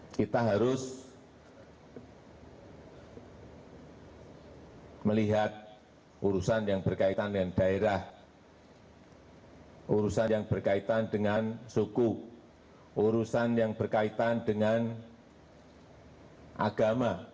kita harus melihat urusan yang berkaitan dengan daerah urusan yang berkaitan dengan suku urusan yang berkaitan dengan agama